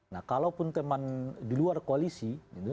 nah kalaupun teman di luar koalisi